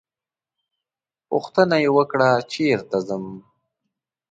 پوښتنه یې وکړه چېرته ځم.